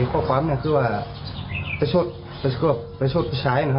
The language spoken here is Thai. จะคุ้อยดังนั้นไหม